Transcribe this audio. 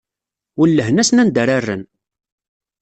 Wellhen-asen anda ara rren.